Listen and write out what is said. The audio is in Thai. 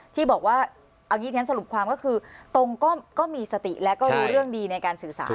ที่บอกว่าเอาอย่างนี้สรุปความก็คือตรงก็มีสติแล้วก็รู้เรื่องดีในการสื่อสาร